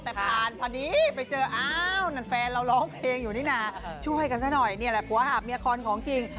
แต่ผ่านพอดีไปเจออ้าวนั่นแฟนเราร้องเพลงอยู่นี่นะช่วยกันซะหน่อยนี่แหละผัวหาบเมียคอนของจริง